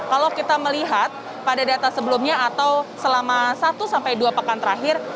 kalau kita melihat pada data sebelumnya atau selama satu sampai dua pekan terakhir